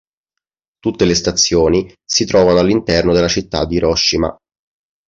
Tutte le stazioni si trovano all'interno della città di Hiroshima